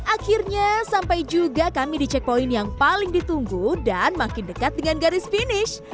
akhirnya sampai juga kami di checkpoint yang paling ditunggu dan makin dekat dengan garis finish